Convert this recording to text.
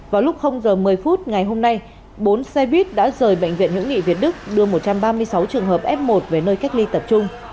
vào lúc giờ một mươi phút ngày hôm nay bốn xe buýt đã rời bệnh viện hữu nghị việt đức đưa một trăm ba mươi sáu trường hợp f một về nơi cách ly tập trung